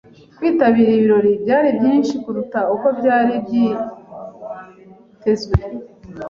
Kwitabira ibirori byari byinshi kuruta uko byari byitezwe.